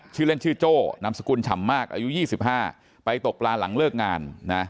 ชื่อเล่นชื่อโจ้นามสกุลฉ่ำมากอายุ๒๕ไปตกปลาหลังเลิกงานนะ